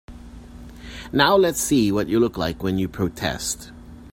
Now let's see what you look like when you protest.